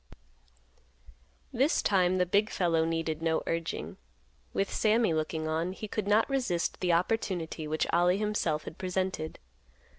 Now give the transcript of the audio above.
This time the big fellow needed no urging. With Sammy looking on, he could not resist the opportunity which Ollie himself had presented.